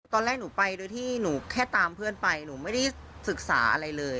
ตอนแรกหนูไปโดยที่หนูแค่ตามเพื่อนไปหนูไม่ได้ศึกษาอะไรเลย